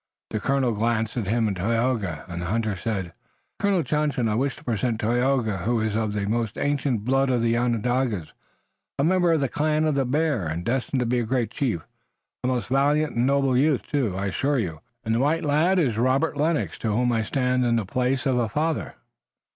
The colonel glanced at him and Tayoga, and the hunter said: "Colonel Johnson, I wish to present Tayoga, who is of the most ancient blood of the Onondagas, a member of the Clan of the Bear, and destined to be a great chief. A most valiant and noble youth, too, I assure you, and the white lad is Robert Lennox, to whom I stand in the place of a father."